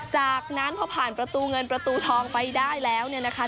จากนั้นพอผ่านประตูเงินประตูทองไปได้แล้วเนี่ยนะคะ